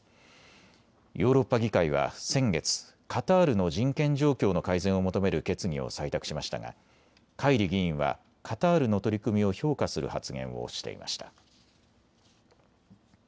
ヨーロッパ議会は先月、カタールの人権状況の改善を求める決議を採択しましたがカイリ議員はカタールの取り組みを評価する発言をしていました。